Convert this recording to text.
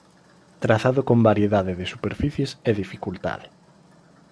Trazado con variedade de superficies e dificultade.